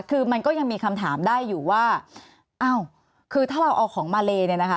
คือมันก็ยังมีคำถามได้อยู่ว่าอ้าวคือถ้าเราเอาของมาเลเนี่ยนะคะ